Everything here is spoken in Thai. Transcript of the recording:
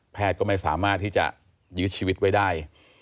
ก็ไม่สามารถที่จะยื้อชีวิตไว้ได้